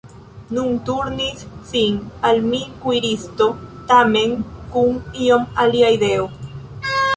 Nun turnis sin al mi kuiristo, tamen kun iom alia ideo.